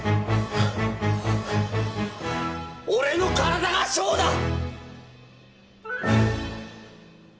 俺の体が翔だ！